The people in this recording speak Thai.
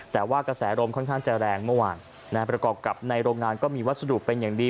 แต่ว่ากระแสลมค่อนข้างจะแรงเมื่อวานประกอบกับในโรงงานก็มีวัสดุเป็นอย่างดี